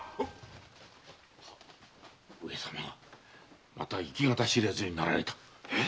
上様がまた行き方知れずになられた。